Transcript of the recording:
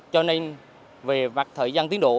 cho nên về mặt thời gian tiến độ